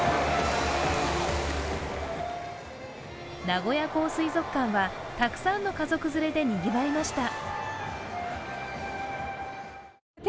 名古屋港水族館はたくさんの家族連れでにぎわいました。